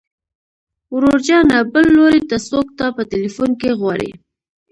ورور جانه بل لوري ته څوک تا په ټليفون کې غواړي.